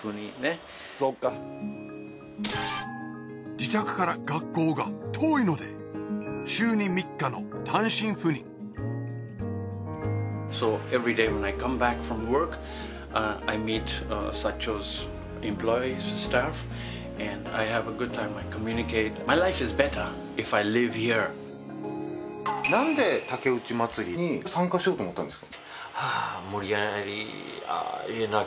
自宅から学校が遠いので週に３日の単身赴任なんで竹打ち祭りに参加しようと思ったんですか？